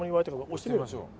押してみましょう。